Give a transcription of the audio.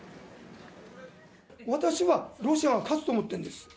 私はロシアが勝つと思ってるんです。